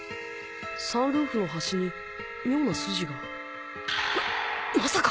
サンルーフの端に妙な筋がままさか！？